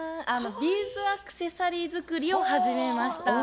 ビーズアクセサリー作りを始めました。